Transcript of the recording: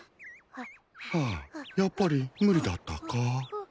ハァやっぱり無理だったか。